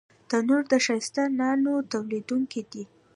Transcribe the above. تنور د ښایسته نانو تولیدوونکی دی